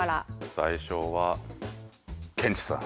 最初はケンチさん。